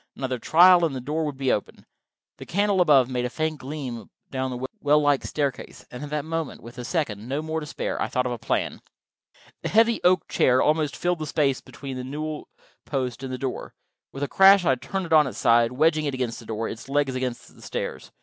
Another trial, and the door would open. The candle above made a faint gleam down the well like staircase, and at that moment, with a second, no more, to spare, I thought of a plan. The heavy oak chair almost filled the space between the newel post and the door. With a crash I had turned it on its side, wedging it against the door, its legs against the stairs.